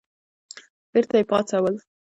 بېرته یې پاڅول.